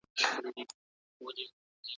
که کیمیاوي سرې کمې کړو نو ځمکه نه زهریږي.